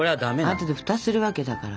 あとで蓋するわけだから。